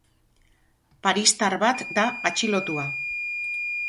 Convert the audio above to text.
Paristar bat da atxilotua.